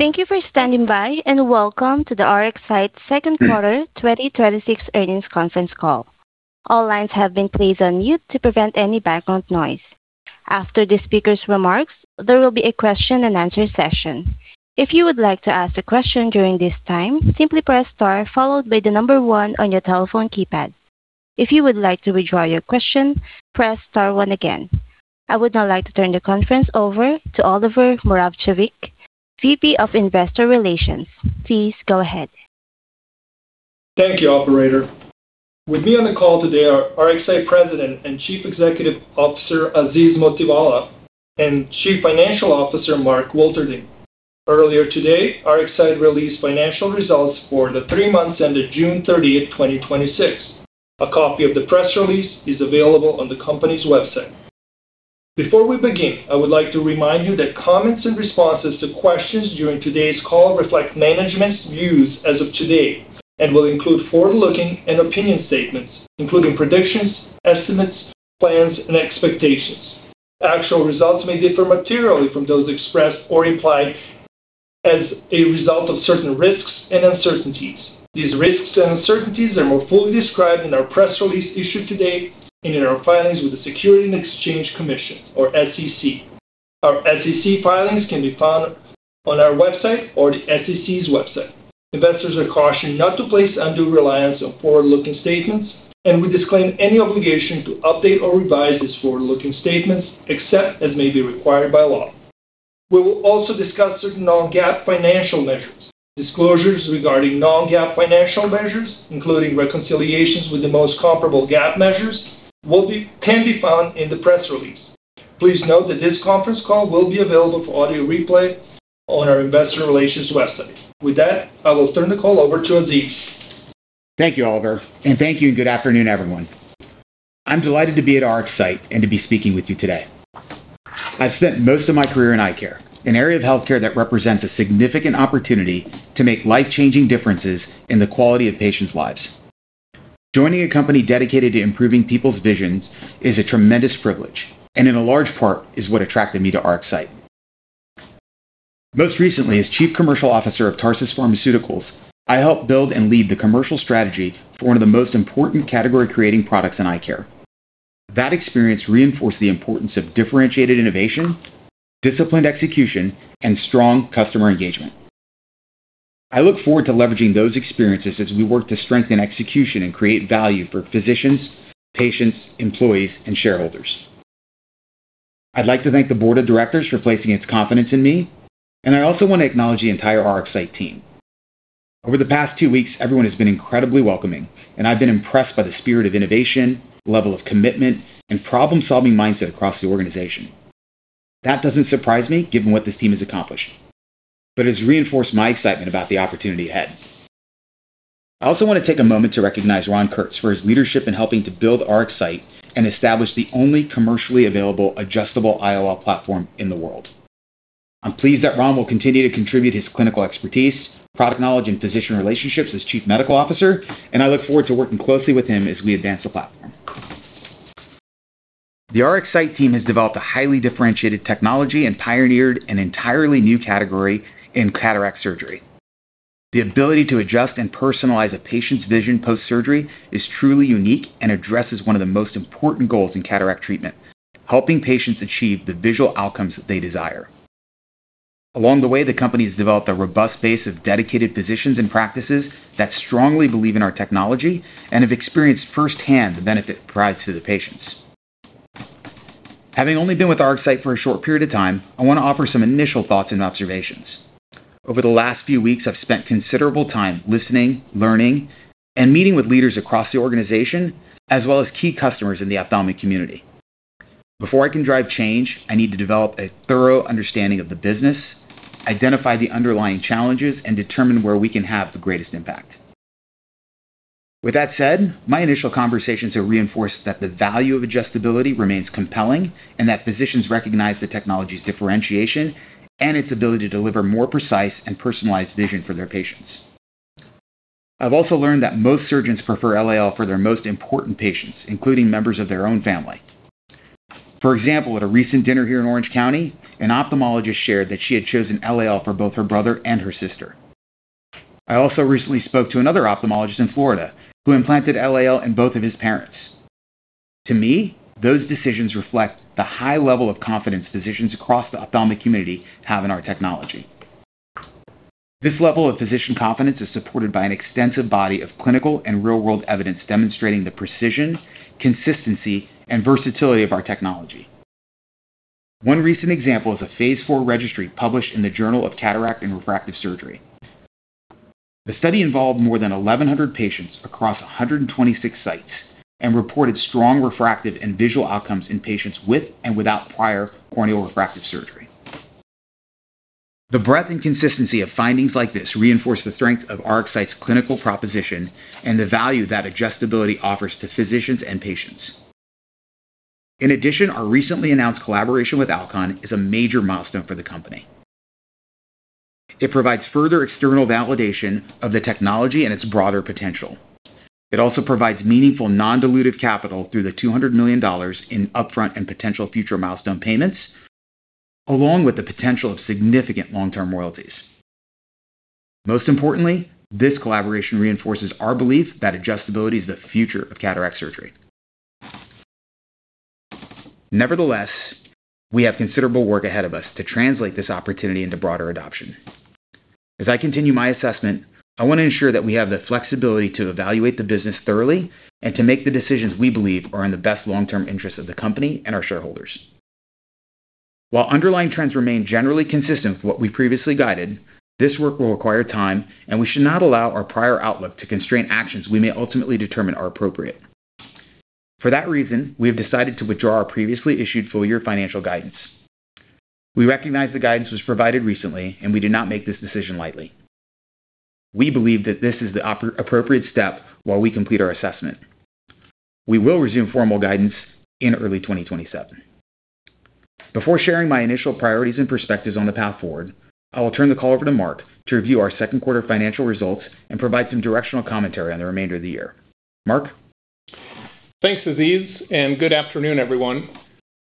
Thank you for standing by, and welcome to the RxSight second quarter 2026 earnings conference call. All lines have been placed on mute to prevent any background noise. After the speaker's remarks, there will be a question and answer session. If you would like to ask a question during this time, simply press star followed by the number one on your telephone keypad. If you would like to withdraw your question, press star one again. I would now like to turn the conference over to Oliver Moravcevic, VP of Investor Relations. Please go ahead. Thank you, operator. With me on the call today are RxSight President and Chief Executive Officer, Aziz Mottiwala, and Chief Financial Officer, Mark Wilterding. Earlier today, RxSight released financial results for the three months ended June 30th, 2026. A copy of the press release is available on the company's website. Before we begin, I would like to remind you that comments and responses to questions during today's call reflect management's views as of today and will include forward-looking and opinion statements, including predictions, estimates, plans, and expectations. Actual results may differ materially from those expressed or implied as a result of certain risks and uncertainties. These risks and uncertainties are more fully described in our press release issued today and in our filings with the Security and Exchange Commission or SEC. Our SEC filings can be found on our website or the SEC's website. Investors are cautioned not to place undue reliance on forward-looking statements, and we disclaim any obligation to update or revise these forward-looking statements except as may be required by law. We will also discuss certain non-GAAP financial measures. Disclosures regarding non-GAAP financial measures, including reconciliations with the most comparable GAAP measures, can be found in the press release. Please note that this conference call will be available for audio replay on our investor relations website. With that, I will turn the call over to Aziz. Thank you, Oliver, and thank you and good afternoon, everyone. I'm delighted to be at RxSight and to be speaking with you today. I've spent most of my career in eye care, an area of healthcare that represents a significant opportunity to make life-changing differences in the quality of patients' lives. Joining a company dedicated to improving people's visions is a tremendous privilege, and in a large part is what attracted me to RxSight. Most recently, as chief commercial officer of Tarsus Pharmaceuticals, I helped build and lead the commercial strategy for one of the most important category-creating products in eye care. That experience reinforced the importance of differentiated innovation, disciplined execution, and strong customer engagement. I look forward to leveraging those experiences as we work to strengthen execution and create value for physicians, patients, employees, and shareholders. I'd like to thank the board of directors for placing its confidence in me, and I also want to acknowledge the entire RxSight team. Over the past two weeks, everyone has been incredibly welcoming, and I've been impressed by the spirit of innovation, level of commitment, and problem-solving mindset across the organization. That doesn't surprise me given what this team has accomplished, but it's reinforced my excitement about the opportunity ahead. I also want to take a moment to recognize Ron Kurtz for his leadership in helping to build RxSight and establish the only commercially available adjustable IOL platform in the world. I'm pleased that Ron will continue to contribute his clinical expertise, product knowledge, and physician relationships as chief medical officer, and I look forward to working closely with him as we advance the platform. The RxSight team has developed a highly differentiated technology and pioneered an entirely new category in cataract surgery. The ability to adjust and personalize a patient's vision post-surgery is truly unique and addresses one of the most important goals in cataract treatment, helping patients achieve the visual outcomes they desire. Along the way, the company has developed a robust base of dedicated physicians and practices that strongly believe in our technology and have experienced firsthand the benefit it provides to the patients. Having only been with RxSight for a short period of time, I want to offer some initial thoughts and observations. Over the last few weeks, I've spent considerable time listening, learning, and meeting with leaders across the organization, as well as key customers in the ophthalmic community. Before I can drive change, I need to develop a thorough understanding of the business, identify the underlying challenges, and determine where we can have the greatest impact. With that said, my initial conversations have reinforced that the value of adjustability remains compelling and that physicians recognize the technology's differentiation and its ability to deliver more precise and personalized vision for their patients. I've also learned that most surgeons prefer LAL for their most important patients, including members of their own family. For example, at a recent dinner here in Orange County, an ophthalmologist shared that she had chosen LAL for both her brother and her sister. I also recently spoke to another ophthalmologist in Florida who implanted LAL in both of his parents. To me, those decisions reflect the high level of confidence physicians across the ophthalmic community have in our technology. This level of physician confidence is supported by an extensive body of clinical and real-world evidence demonstrating the precision, consistency, and versatility of our technology. One recent example is a phase IV registry published in the Journal of Cataract & Refractive Surgery. The study involved more than 1,100 patients across 126 sites and reported strong refractive and visual outcomes in patients with and without prior corneal refractive surgery. The breadth and consistency of findings like this reinforce the strength of RxSight's clinical proposition and the value that adjustability offers to physicians and patients. In addition, our recently announced collaboration with Alcon is a major milestone for the company. It provides further external validation of the technology and its broader potential. It also provides meaningful non-dilutive capital through the $200 million in upfront and potential future milestone payments, along with the potential of significant long-term royalties. Most importantly, this collaboration reinforces our belief that adjustability is the future of cataract surgery. Nevertheless, we have considerable work ahead of us to translate this opportunity into broader adoption. As I continue my assessment, I want to ensure that we have the flexibility to evaluate the business thoroughly and to make the decisions we believe are in the best long-term interest of the company and our shareholders. While underlying trends remain generally consistent with what we've previously guided, this work will require time, and we should not allow our prior outlook to constrain actions we may ultimately determine are appropriate. For that reason, we have decided to withdraw our previously issued full-year financial guidance. We recognize the guidance was provided recently, and we did not make this decision lightly. We believe that this is the appropriate step while we complete our assessment. We will resume formal guidance in early 2027. Before sharing my initial priorities and perspectives on the path forward, I will turn the call over to Mark to review our second quarter financial results and provide some directional commentary on the remainder of the year. Mark? Thanks, Aziz, and good afternoon, everyone.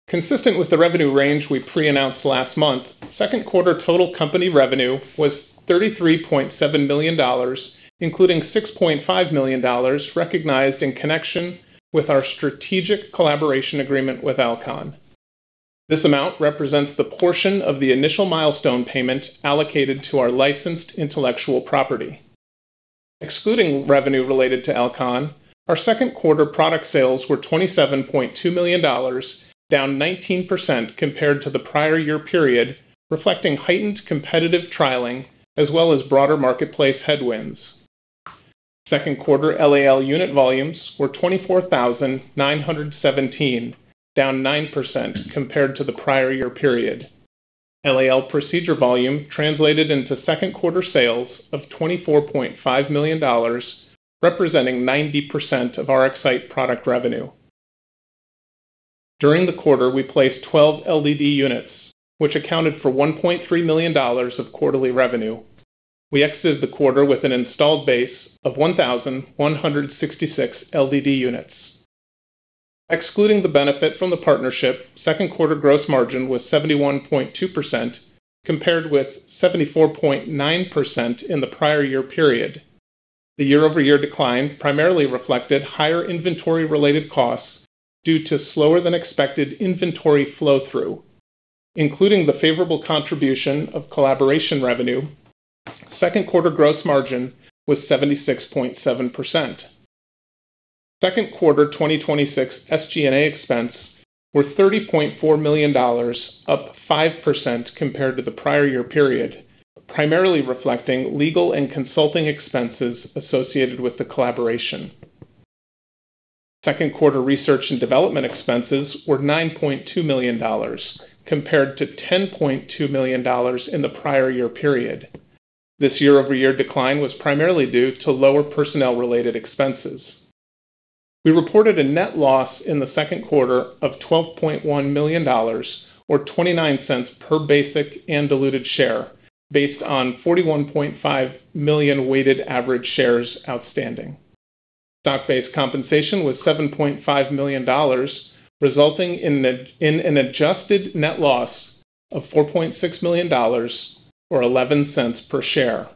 Consistent with the revenue range we pre-announced last month, second quarter total company revenue was $33.7 million, including $6.5 million recognized in connection with our strategic collaboration agreement with Alcon. This amount represents the portion of the initial milestone payment allocated to our licensed intellectual property. Excluding revenue related to Alcon, our second quarter product sales were $27.2 million, down 19% compared to the prior-year period, reflecting heightened competitive trialing as well as broader marketplace headwinds. Second quarter LAL unit volumes were 24,917, down 9% compared to the prior-year period. LAL procedure volume translated into second quarter sales of $24.5 million, representing 90% of our RxSight product revenue. During the quarter, we placed 12 LDD units, which accounted for $1.3 million of quarterly revenue. We exited the quarter with an installed base of 1,166 LDD units. Excluding the benefit from the partnership, second quarter gross margin was 71.2%, compared with 74.9% in the prior-year period. The year-over-year decline primarily reflected higher inventory-related costs due to slower than expected inventory flow-through. Including the favorable contribution of collaboration revenue, second quarter gross margin was 76.7%. Second quarter 2026 SG&A expense were $30.4 million, up 5% compared to the prior-year period, primarily reflecting legal and consulting expenses associated with the collaboration. Second quarter research and development expenses were $9.2 million, compared to $10.2 million in the prior-year period. This year-over-year decline was primarily due to lower personnel-related expenses. We reported a net loss in the second quarter of $12.1 million or $0.29 per basic and diluted share, based on 41.5 million weighted average shares outstanding. Stock-based compensation was $7.5 million, resulting in an adjusted net loss of $4.6 million or $0.11 per share.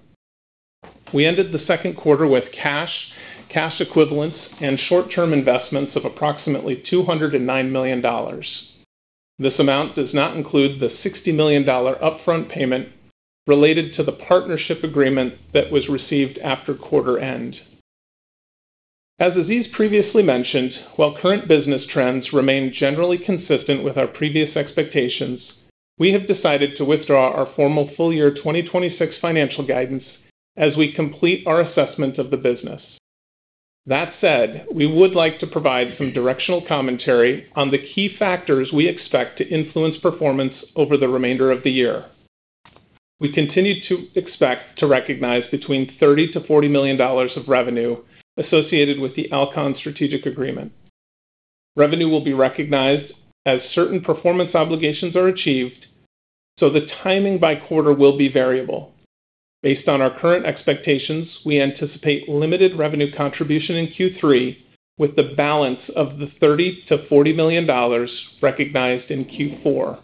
We ended the second quarter with cash equivalents, and short-term investments of approximately $209 million. This amount does not include the $60 million upfront payment related to the partnership agreement that was received after quarter end. As Aziz Mottiwala previously mentioned, while current business trends remain generally consistent with our previous expectations, we have decided to withdraw our formal full-year 2026 financial guidance as we complete our assessment of the business. That said, we would like to provide some directional commentary on the key factors we expect to influence performance over the remainder of the year. We continue to expect to recognize between $30 million-$40 million of revenue associated with the Alcon strategic agreement. Revenue will be recognized as certain performance obligations are achieved, so the timing by quarter will be variable. Based on our current expectations, we anticipate limited revenue contribution in Q3 with the balance of the $30 million-$40 million recognized in Q4.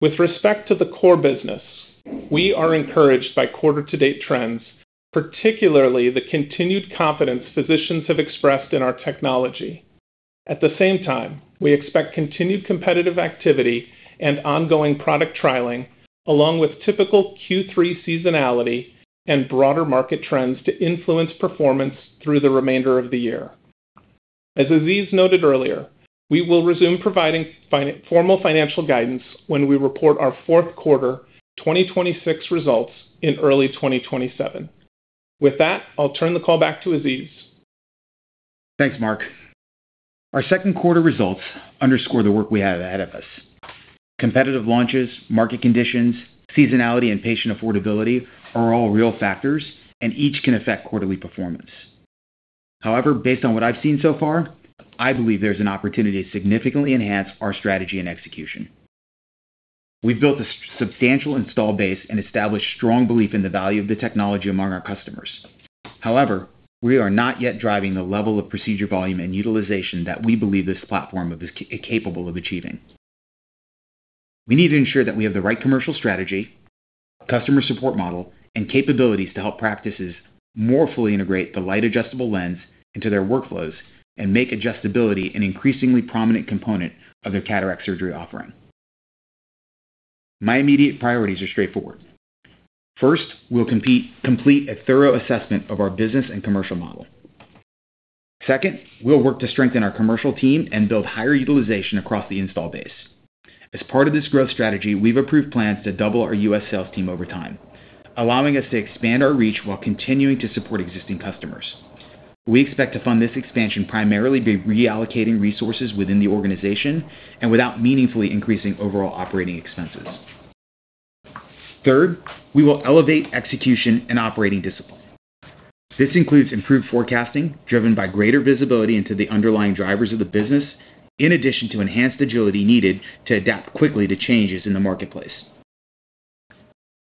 With respect to the core business, we are encouraged by quarter to date trends, particularly the continued confidence physicians have expressed in our technology. At the same time, we expect continued competitive activity and ongoing product trialing along with typical Q3 seasonality and broader market trends to influence performance through the remainder of the year. As Aziz noted earlier, we will resume providing formal financial guidance when we report our fourth quarter 2026 results in early 2027. With that, I'll turn the call back to Aziz. Thanks, Mark. Our second quarter results underscore the work we have ahead of us. Competitive launches, market conditions, seasonality, and patient affordability are all real factors, and each can affect quarterly performance. However, based on what I've seen so far, I believe there's an opportunity to significantly enhance our strategy and execution. We've built a substantial install base and established strong belief in the value of the technology among our customers. However, we are not yet driving the level of procedure volume and utilization that we believe this platform is capable of achieving. We need to ensure that we have the right commercial strategy, customer support model, and capabilities to help practices more fully integrate the Light Adjustable Lens into their workflows and make adjustability an increasingly prominent component of their cataract surgery offering. My immediate priorities are straightforward. First, we'll complete a thorough assessment of our business and commercial model. Second, we'll work to strengthen our commercial team and build higher utilization across the install base. As part of this growth strategy, we've approved plans to double our U.S. sales team over time, allowing us to expand our reach while continuing to support existing customers. We expect to fund this expansion primarily by reallocating resources within the organization and without meaningfully increasing overall operating expenses. Third, we will elevate execution and operating discipline. This includes improved forecasting, driven by greater visibility into the underlying drivers of the business, in addition to enhanced agility needed to adapt quickly to changes in the marketplace.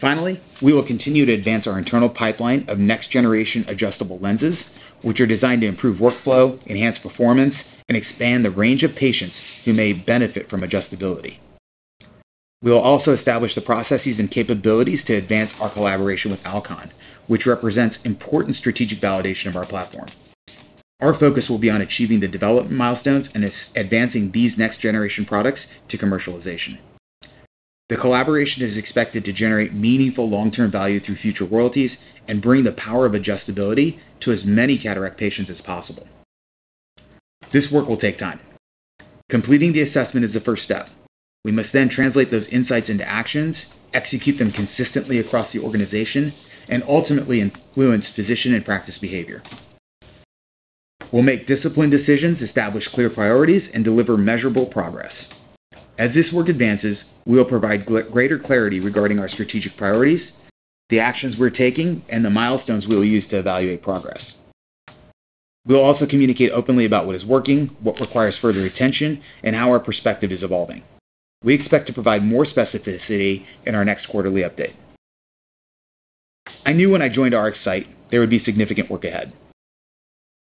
Finally, we will continue to advance our internal pipeline of next-generation adjustable lenses, which are designed to improve workflow, enhance performance, and expand the range of patients who may benefit from adjustability. We will also establish the processes and capabilities to advance our collaboration with Alcon, which represents important strategic validation of our platform. Our focus will be on achieving the development milestones and advancing these next-generation products to commercialization. The collaboration is expected to generate meaningful long-term value through future royalties and bring the power of adjustability to as many cataract patients as possible. This work will take time. Completing the assessment is the first step. We must then translate those insights into actions, execute them consistently across the organization, and ultimately influence physician and practice behavior. We'll make disciplined decisions, establish clear priorities, and deliver measurable progress. As this work advances, we will provide greater clarity regarding our strategic priorities, the actions we're taking, and the milestones we will use to evaluate progress. We will also communicate openly about what is working, what requires further attention, and how our perspective is evolving. We expect to provide more specificity in our next quarterly update. I knew when I joined RxSight there would be significant work ahead.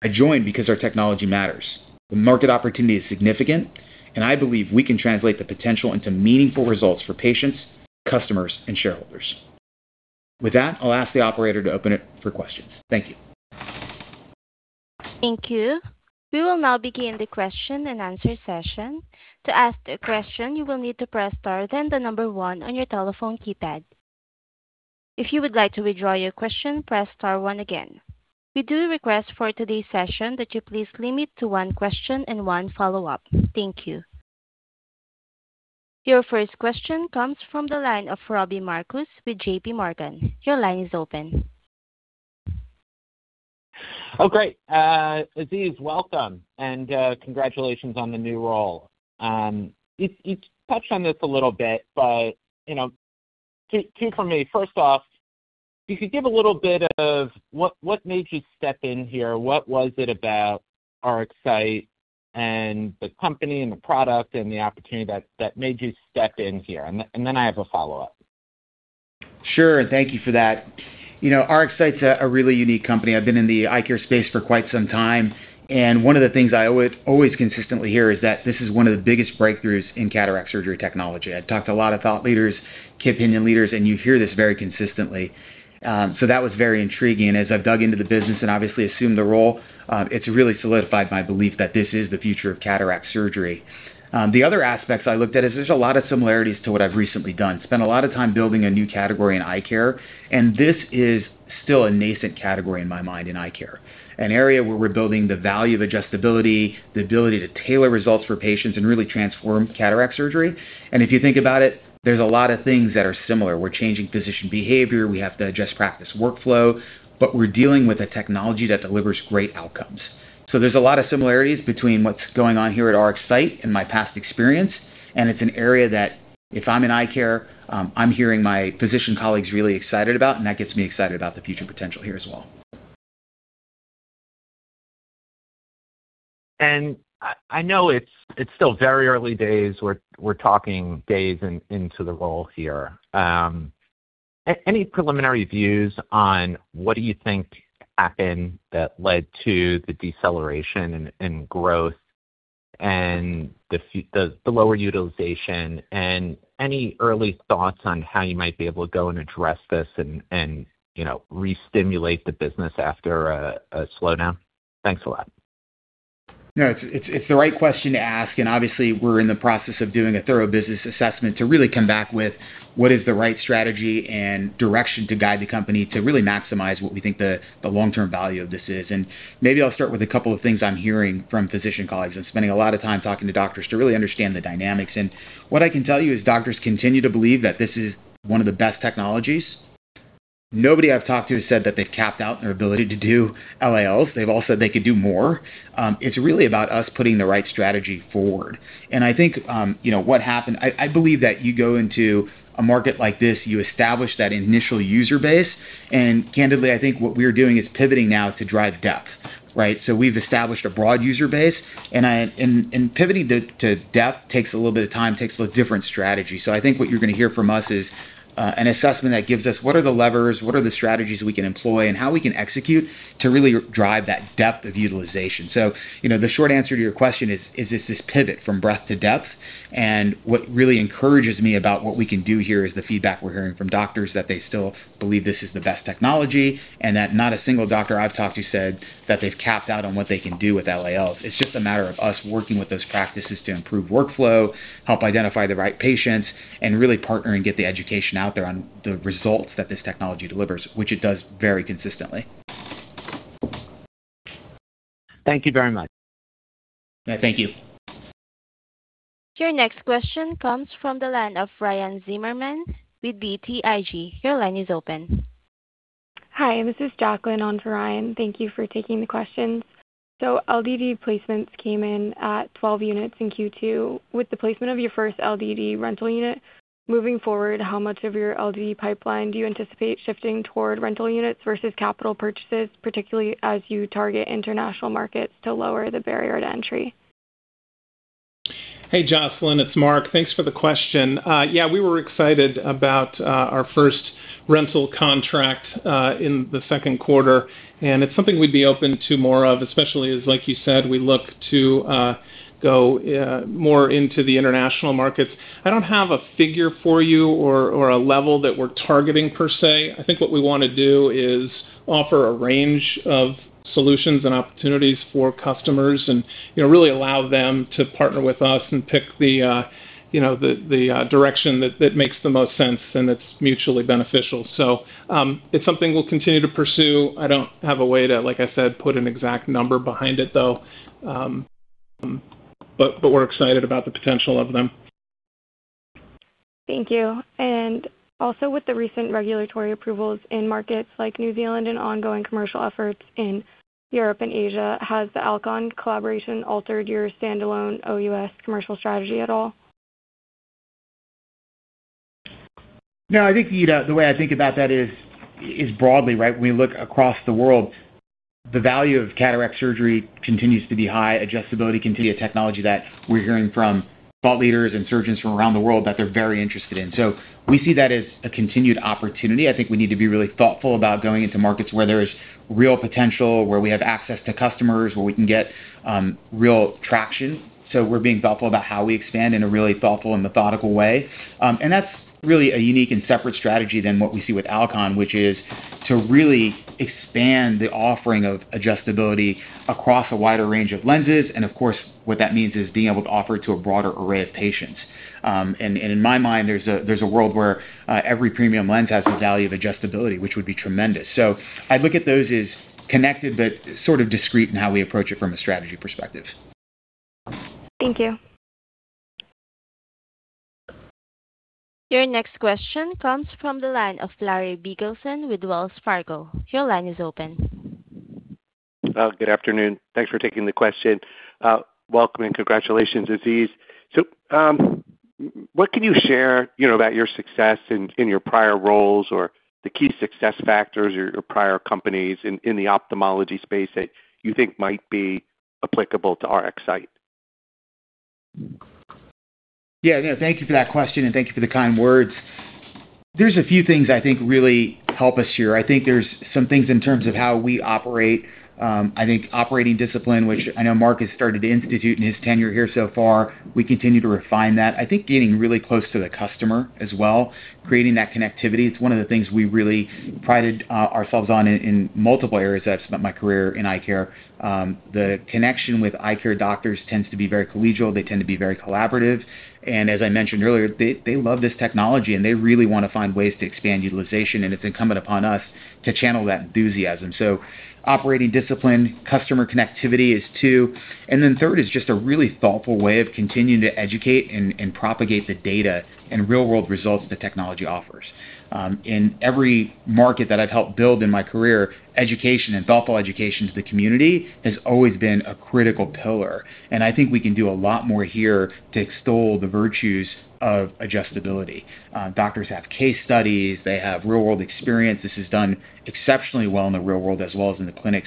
I joined because our technology matters. The market opportunity is significant, and I believe we can translate the potential into meaningful results for patients, customers, and shareholders. With that, I'll ask the operator to open it for questions. Thank you. Thank you. We will now begin the question and answer session. To ask a question, you will need to press star then the number one on your telephone keypad. If you would like to withdraw your question, press star one again. We do request for today's session that you please limit to one question and one follow-up. Thank you. Your first question comes from the line of Robbie Marcus with J.P. Morgan. Your line is open. Oh, great. Aziz, welcome and congratulations on the new role. You've touched on this a little bit, but two from me. First off, if you could give a little bit of what made you step in here. What was it about RxSight and the company and the product and the opportunity that made you step in here? I have a follow-up. Sure. Thank you for that. RxSight's a really unique company. I've been in the eye care space for quite some time, and one of the things I always consistently hear is that this is one of the biggest breakthroughs in cataract surgery technology. I've talked to a lot of thought leaders, key opinion leaders, and you hear this very consistently. That was very intriguing. As I've dug into the business and obviously assumed the role, it's really solidified my belief that this is the future of cataract surgery. The other aspects I looked at is there's a lot of similarities to what I've recently done. Spent a lot of time building a new category in eye care, and this is still a nascent category in my mind in eye care. An area where we're building the value of adjustability, the ability to tailor results for patients, and really transform cataract surgery. If you think about it, there's a lot of things that are similar. We're changing physician behavior. We have to adjust practice workflow. We're dealing with a technology that delivers great outcomes. There's a lot of similarities between what's going on here at RxSight and my past experience, and it's an area that if I'm in eye care, I'm hearing my physician colleagues really excited about, and that gets me excited about the future potential here as well. I know it's still very early days. We're talking days into the role here. Any preliminary views on what do you think happened that led to the deceleration in growth and the lower utilization? Any early thoughts on how you might be able to go and address this and restimulate the business after a slowdown? Thanks a lot. No, it's the right question to ask. Obviously, we're in the process of doing a thorough business assessment to really come back with what is the right strategy and direction to guide the company to really maximize what we think the long-term value of this is. Maybe I'll start with a couple of things I'm hearing from physician colleagues. I'm spending a lot of time talking to doctors to really understand the dynamics. What I can tell you is doctors continue to believe that this is one of the best technologies. Nobody I've talked to has said that they've capped out their ability to do LALs. They've all said they could do more. It's really about us putting the right strategy forward. I think, what happened, I believe that you go into a market like this, you establish that initial user base, candidly, I think what we're doing is pivoting now to drive depth. We've established a broad user base, and pivoting to depth takes a little bit of time, takes a different strategy. I think what you're going to hear from us is an assessment that gives us what are the levers, what are the strategies we can employ, and how we can execute to really drive that depth of utilization. The short answer to your question is this pivot from breadth to depth? What really encourages me about what we can do here is the feedback we're hearing from doctors that they still believe this is the best technology and that not a single doctor I've talked to said that they've capped out on what they can do with LALs. It's just a matter of us working with those practices to improve workflow, help identify the right patients, and really partner and get the education out there on the results that this technology delivers, which it does very consistently. Thank you very much. Thank you. Your next question comes from the line of Ryan Zimmerman with BTIG. Your line is open. Hi, this is Jacqueline on for Ryan. Thank you for taking the questions. LDD placements came in at 12 units in Q2. With the placement of your first LDD rental unit, moving forward, how much of your LDD pipeline do you anticipate shifting toward rental units versus capital purchases, particularly as you target international markets to lower the barrier to entry? Hey, Jocelyn. It's Mark. Thanks for the question. Yeah, we were excited about our first rental contract in the second quarter, and it's something we'd be open to more of, especially as, like you said, we look to go more into the international markets. I don't have a figure for you or a level that we're targeting, per se. I think what we want to do is offer a range of solutions and opportunities for customers and really allow them to partner with us and pick the direction that makes the most sense and that's mutually beneficial. It's something we'll continue to pursue. I don't have a way to, like I said, put an exact number behind it, though. We're excited about the potential of them. Thank you. Also with the recent regulatory approvals in markets like New Zealand and ongoing commercial efforts in Europe and Asia, has the Alcon collaboration altered your standalone OUS commercial strategy at all? No. I think the way I think about that is broadly. When we look across the world, the value of cataract surgery continues to be high. Adjustability continue a technology that we're hearing from thought leaders and surgeons from around the world that they're very interested in. We see that as a continued opportunity. I think we need to be really thoughtful about going into markets where there's real potential, where we have access to customers, where we can get real traction. We're being thoughtful about how we expand in a really thoughtful and methodical way. That's really a unique and separate strategy than what we see with Alcon, which is to really expand the offering of adjustability across a wider range of lenses. Of course, what that means is being able to offer to a broader array of patients. In my mind, there's a world where every premium lens has the value of adjustability, which would be tremendous. I'd look at those as connected, but sort of discreet in how we approach it from a strategy perspective. Thank you. Your next question comes from the line of Larry Biegelsen with Wells Fargo. Your line is open. Good afternoon. Thanks for taking the question. Welcome and congratulations, Aziz Mottiwala. What can you share about your success in your prior roles or the key success factors or your prior companies in the ophthalmology space that you think might be applicable to RxSight? Thank you for that question, and thank you for the kind words. There's a few things I think really help us here. I think there's some things in terms of how we operate. I think operating discipline, which I know Mark Wilterding has started to institute in his tenure here so far, we continue to refine that. I think getting really close to the customer as well, creating that connectivity. It's one of the things we really prided ourselves on in multiple areas I've spent my career in eye care. The connection with eye care doctors tends to be very collegial. They tend to be very collaborative, and as I mentioned earlier, they love this technology, and they really want to find ways to expand utilization, and it's incumbent upon us to channel that enthusiasm. Operating discipline, customer connectivity is two, and then third is just a really thoughtful way of continuing to educate and propagate the data and real-world results the technology offers. In every market that I've helped build in my career, education and thoughtful education to the community has always been a critical pillar, and I think we can do a lot more here to extol the virtues of adjustability. Doctors have case studies. They have real-world experience. This is done exceptionally well in the real world as well as in the clinic.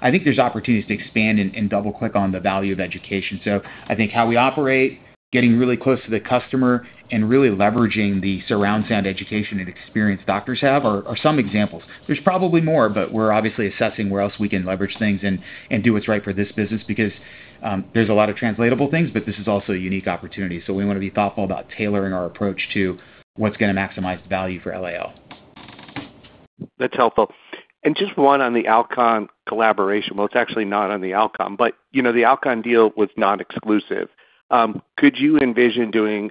I think there's opportunities to expand and double-click on the value of education. I think how we operate, getting really close to the customer and really leveraging the surround sound education and experience doctors have are some examples. There's probably more, we're obviously assessing where else we can leverage things and do what's right for this business because there's a lot of translatable things, this is also a unique opportunity. We want to be thoughtful about tailoring our approach to what's going to maximize the value for LAL. That's helpful. Just one on the Alcon collaboration. It's actually not on the Alcon, the Alcon deal was non-exclusive. Could you envision doing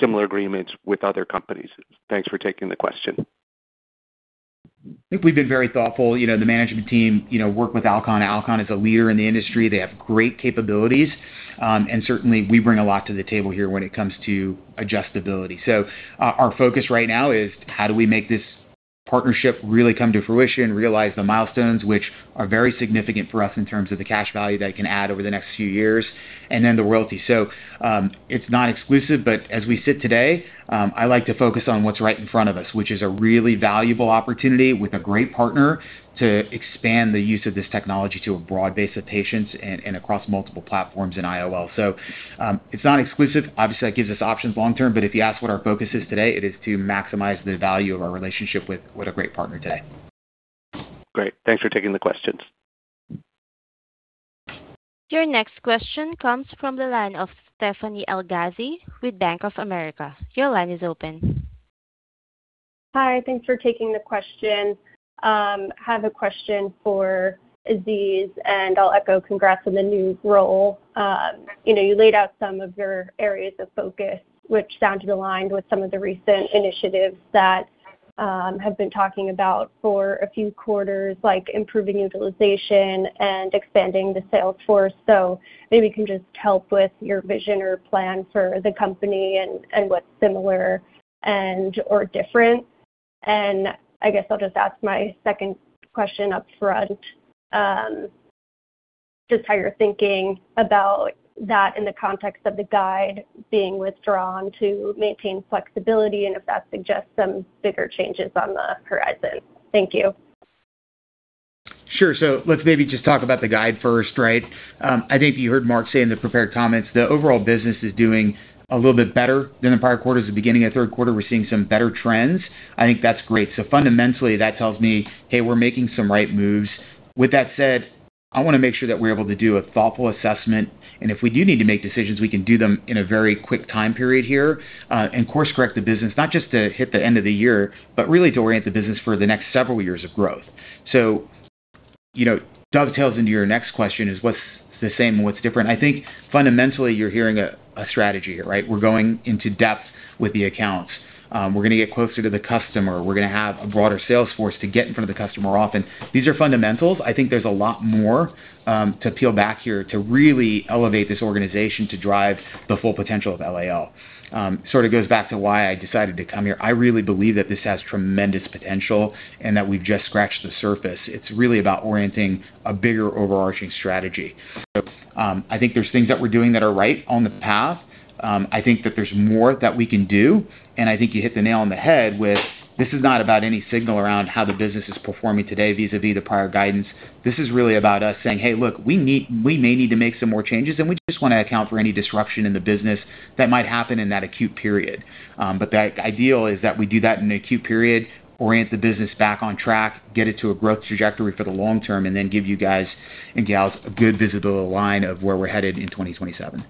similar agreements with other companies? Thanks for taking the question. I think we've been very thoughtful. The management team work with Alcon. Alcon is a leader in the industry. They have great capabilities. Certainly, we bring a lot to the table here when it comes to adjustability. Our focus right now is how do we make this partnership really come to fruition, realize the milestones, which are very significant for us in terms of the cash value that it can add over the next few years, the royalty. It's not exclusive, as we sit today, I like to focus on what's right in front of us, which is a really valuable opportunity with a great partner to expand the use of this technology to a broad base of patients and across multiple platforms in IOL. It's not exclusive. Obviously, that gives us options long term. If you ask what our focus is today, it is to maximize the value of our relationship with a great partner today. Great. Thanks for taking the questions. Your next question comes from the line of Stephanie Elghazi with Bank of America. Your line is open. Hi, thanks for taking the question. I have a question for Aziz, and I'll echo congrats on the new role. You laid out some of your areas of focus, which sounded aligned with some of the recent initiatives that have been talking about for a few quarters, like improving utilization and expanding the sales force. Maybe you can just help with your vision or plan for the company and what's similar and/or different. I guess I'll just ask my second question up front, just how you're thinking about that in the context of the guide being withdrawn to maintain flexibility, and if that suggests some bigger changes on the horizon. Thank you. Sure. Let's maybe just talk about the guide first, right? I think you heard Mark say in the prepared comments, the overall business is doing a little bit better than the prior quarters. The beginning of third quarter, we're seeing some better trends. I think that's great. Fundamentally, that tells me, hey, we're making some right moves. With that said, I want to make sure that we're able to do a thoughtful assessment, and if we do need to make decisions, we can do them in a very quick time period here, and course-correct the business, not just to hit the end of the year, but really to orient the business for the next several years of growth. Dovetails into your next question is what's the same and what's different? I think fundamentally, you're hearing a strategy here, right? We're going into depth with the accounts. We're going to get closer to the customer. We're going to have a broader sales force to get in front of the customer often. These are fundamentals. I think there's a lot more to peel back here to really elevate this organization to drive the full potential of LAL. Sort of goes back to why I decided to come here. I really believe that this has tremendous potential and that we've just scratched the surface. It's really about orienting a bigger overarching strategy. I think there's things that we're doing that are right on the path. I think that there's more that we can do, and I think you hit the nail on the head with this is not about any signal around how the business is performing today, vis-a-vis the prior guidance. This is really about us saying, "Hey, look, we may need to make some more changes, and we just want to account for any disruption in the business that might happen in that acute period." The ideal is that we do that in the acute period, orient the business back on track, get it to a growth trajectory for the long term, and then give you guys and gals a good visible line of where we're headed in 2027.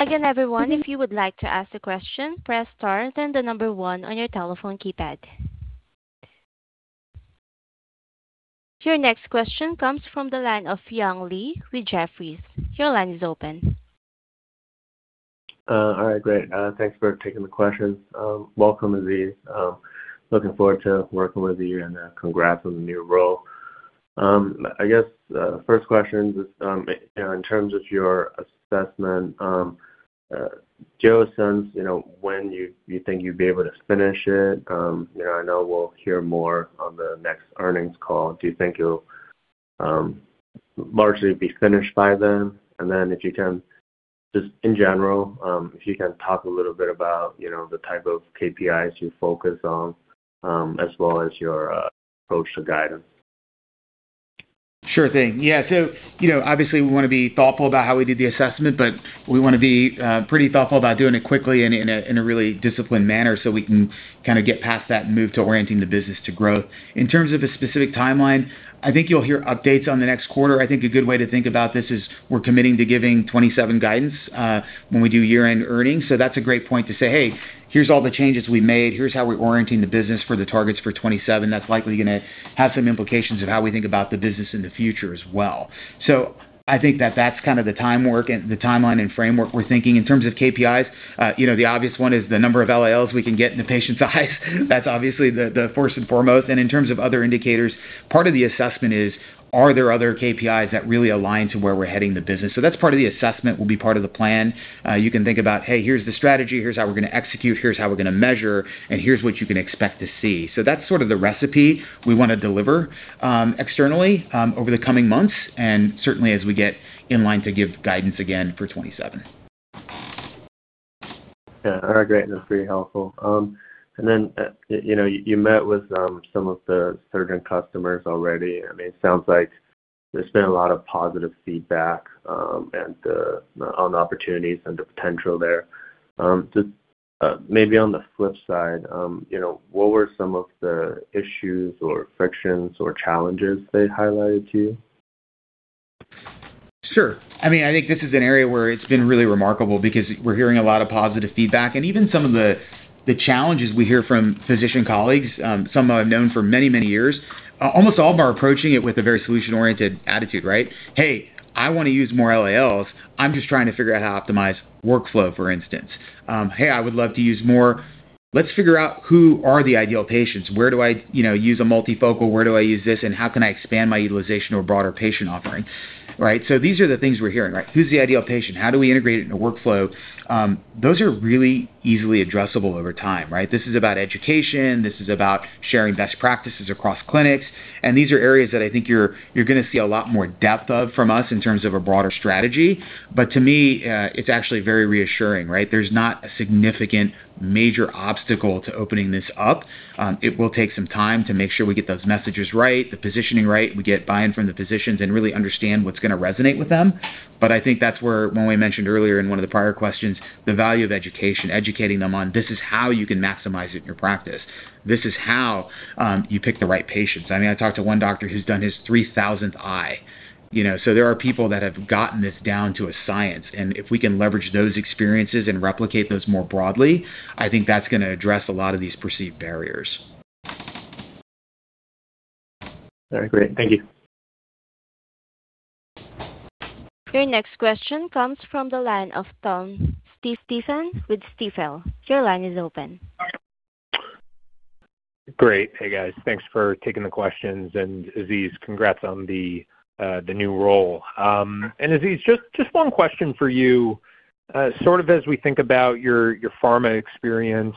Again, everyone, if you would like to ask a question, press star, then the number one on your telephone keypad. Your next question comes from the line of Young Li with Jefferies. Your line is open. All right, great. Thanks for taking the questions. Welcome, Aziz. Looking forward to working with you and congrats on the new role. I guess, first question, just in terms of your assessment, do you have a sense, when you think you'd be able to finish it? I know we'll hear more on the next earnings call. Do you think you'll largely be finished by then? Then if you can, just in general, if you can talk a little bit about the type of KPIs you focus on, as well as your approach to guidance. Sure thing. Obviously we want to be thoughtful about how we do the assessment, we want to be pretty thoughtful about doing it quickly and in a really disciplined manner we can get past that and move to orienting the business to growth. In terms of a specific timeline, I think you'll hear updates on the next quarter. I think a good way to think about this is we're committing to giving 2027 guidance, when we do year-end earnings. That's a great point to say, "Hey, here's all the changes we made. Here's how we're orienting the business for the targets for 2027." That's likely going to have some implications of how we think about the business in the future as well. I think that that's kind of the timeline and framework we're thinking. In terms of KPIs, the obvious one is the number of LALs we can get in the patient's eyes. That's obviously the first and foremost, and in terms of other indicators, part of the assessment is, are there other KPIs that really align to where we're heading the business? That's part of the assessment, will be part of the plan. You can think about, hey, here's the strategy, here's how we're going to execute, here's how we're going to measure, and here's what you can expect to see. That's sort of the recipe we want to deliver externally over the coming months, and certainly as we get in line to give guidance again for 2027. Yeah. All right, great. That's pretty helpful. You met with some of the surgeon customers already. It sounds like there's been a lot of positive feedback on the opportunities and the potential there. Just maybe on the flip side, what were some of the issues or frictions or challenges they highlighted to you? Sure. I think this is an area where it's been really remarkable because we're hearing a lot of positive feedback and even some of the challenges we hear from physician colleagues, some I've known for many, many years. Almost all of them are approaching it with a very solution-oriented attitude, right? "Hey, I want to use more LALs. I'm just trying to figure out how to optimize workflow," for instance. "Hey, I would love to use more. Let's figure out who are the ideal patients. Where do I use a multifocal? Where do I use this, and how can I expand my utilization to a broader patient offering?" Right? These are the things we're hearing. Who's the ideal patient? How do we integrate it into workflow? Those are really easily addressable over time, right? This is about education, this is about sharing best practices across clinics, and these are areas that I think you're going to see a lot more depth of from us in terms of a broader strategy. To me, it's actually very reassuring, right? There's not a significant major obstacle to opening this up. It will take some time to make sure we get those messages right, the positioning right, we get buy-in from the physicians and really understand what's going to resonate with them. I think that's where, when we mentioned earlier in one of the prior questions, the value of education, educating them on this is how you can maximize it in your practice. This is how you pick the right patients. I talked to one doctor who's done his 3,000th eye. There are people that have gotten this down to a science, and if we can leverage those experiences and replicate those more broadly, I think that's going to address a lot of these perceived barriers. All right, great. Thank you. Your next question comes from the line of Thomas Stephan with Stifel. Your line is open. Great. Hey, guys. Thanks for taking the questions, Aziz, congrats on the new role. Aziz, just one question for you. Sort of as we think about your pharma experience,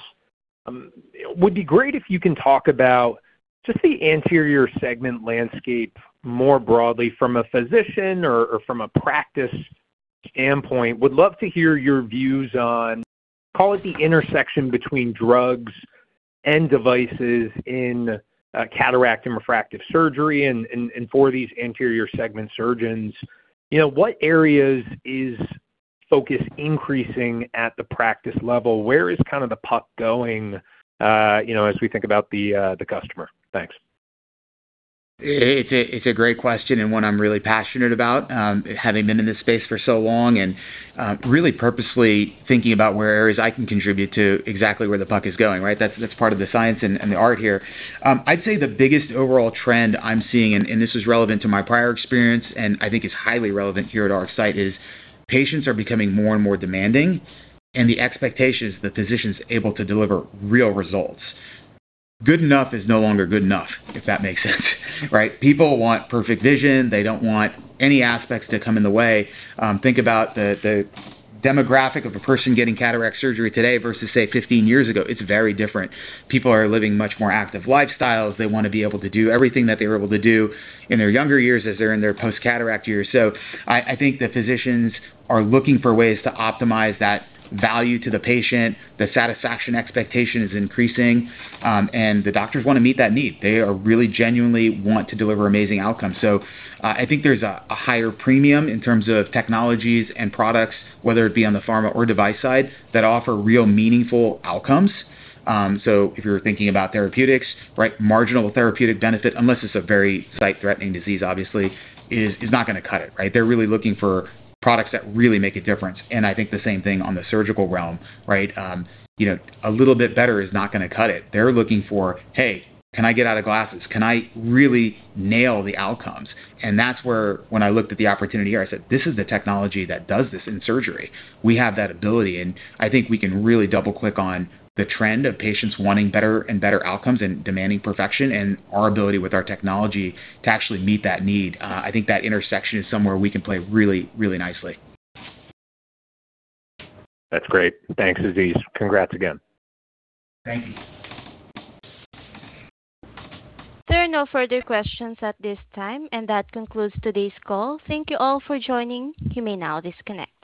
would be great if you can talk about just the anterior segment landscape more broadly from a physician or from a practice standpoint. Would love to hear your views on, call it the intersection between drugs and devices in cataract and refractive surgery and for these anterior segment surgeons. What areas is focus increasing at the practice level? Where is kind of the puck going as we think about the customer? Thanks. It's a great question and one I'm really passionate about, having been in this space for so long and really purposely thinking about where areas I can contribute to exactly where the puck is going, right? That's part of the science and the art here. I'd say the biggest overall trend I'm seeing, and this is relevant to my prior experience and I think is highly relevant here at RxSight is patients are becoming more and more demanding, and the expectation is the physician's able to deliver real results. Good enough is no longer good enough, if that makes sense, right? People want perfect vision. They don't want any aspects to come in the way. Think about the demographic of a person getting cataract surgery today versus, say, 15 years ago. It's very different. People are living much more active lifestyles. They want to be able to do everything that they were able to do in their younger years as they're in their post-cataract years. I think the physicians are looking for ways to optimize that value to the patient. The satisfaction expectation is increasing. The doctors want to meet that need. They really genuinely want to deliver amazing outcomes. I think there's a higher premium in terms of technologies and products, whether it be on the pharma or device side, that offer real meaningful outcomes. If you're thinking about therapeutics, marginal therapeutic benefit, unless it's a very sight-threatening disease, obviously, is not going to cut it, right? They're really looking for products that really make a difference, and I think the same thing on the surgical realm, right? A little bit better is not going to cut it. They're looking for, "Hey, can I get out of glasses? Can I really nail the outcomes?" That's where, when I looked at the opportunity here, I said, "This is the technology that does this in surgery." We have that ability, and I think we can really double-click on the trend of patients wanting better and better outcomes and demanding perfection, and our ability with our technology to actually meet that need. I think that intersection is somewhere we can play really, really nicely. That's great. Thanks, Aziz. Congrats again. Thank you. There are no further questions at this time, that concludes today's call. Thank you all for joining. You may now disconnect.